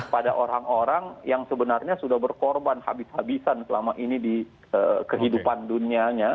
pada orang orang yang sebenarnya sudah berkorban habis habisan selama ini di kehidupan dunianya